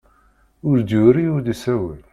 Ur d-yuri ur d-isawel.